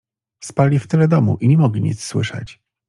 "Spali w tyle domu i nie mogli nic słyszeć."